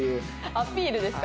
アピールですか？